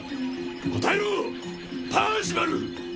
答えろパーシバル！